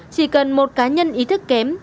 chỉ cần một cá nhân ý thức kém